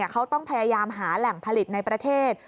เขาต้องพยายามหาแหล่งผลิตในประเทศ